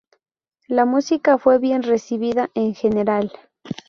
La música fue bien recibida en general.